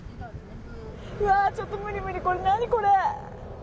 うわー、ちょっと無理無理無理無理、何、これ。